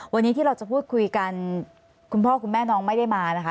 วันนี้ที่เราจะพูดคุยกันคุณพ่อคุณแม่น้องไม่ได้มานะคะ